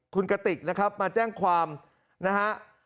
คุณกติกนะครับมาแจ้งความนะฮะ